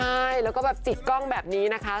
ใช่แล้วก็แบบจิกกล้องแบบนี้นะคะ